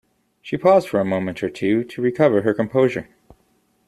She paused for a moment or two to recover her composure.